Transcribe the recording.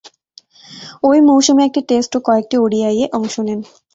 ঐ মৌসুমে একটি টেস্ট ও কয়েকটি ওডিআইয়ে অংশ নেন।